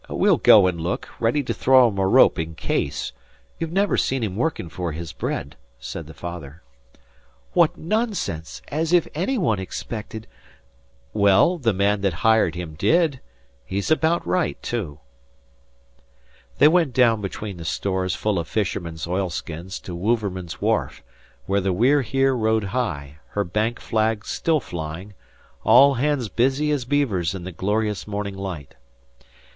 "We'll go and look, ready to throw him a rope in case. You've never seen him working for his bread," said the father. "What nonsense! As if any one expected " "Well, the man that hired him did. He's about right, too." They went down between the stores full of fishermen's oilskins to Wouverman's wharf where the We're Here rode high, her Bank flag still flying, all hands busy as beavers in the glorious morning light.